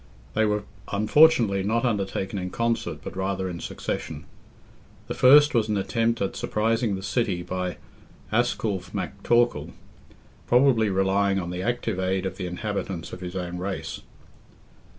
They were unfortunately not undertaken in concert, but rather in succession. The first was an attempt at surprising the city by Asculph MacTorcall, probably relying on the active aid of the inhabitants of his own race.